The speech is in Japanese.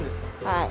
はい。